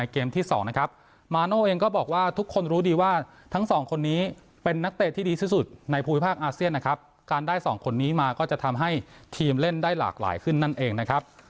การได้๒คนนี้มาก็จะทำให้ทีมเล่นได้หลากหลายขึ้นนั่นเองนะครับ